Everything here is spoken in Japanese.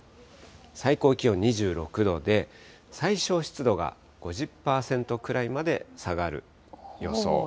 最高気温２６度で、最小湿度が５０％くらいまで下がる予想。